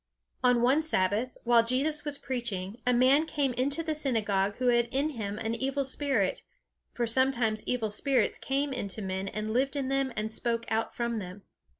On one Sabbath, while Jesus was preaching, a man came into the synagogue who had in him an evil spirit; for sometimes evil spirits came into men, and lived in them and spoke out from them.